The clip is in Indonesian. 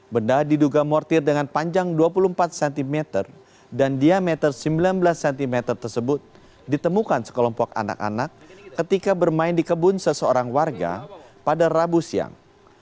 benda diduga mortir dengan panjang dua puluh empat cm dan diameter sembilan belas cm tersebut ditemukan sekelompok anak anak ketika bermain di kebun seseorang warga pada rabu siang